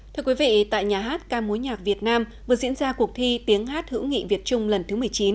thưa quý vị tại nhà hát ca mối nhạc việt nam vừa diễn ra cuộc thi tiếng hát hữu nghị việt trung lần thứ một mươi chín